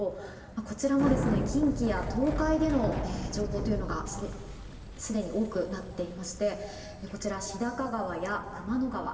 こちらも近畿や東海での情報がすでに多くなっていまして日高川や熊野川。